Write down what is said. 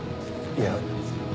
いや。